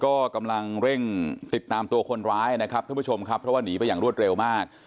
ก็กำลังเร่งติดตามตัวคนร้ายนะครับเพราะว่านีไปยังรวดเร็วมาก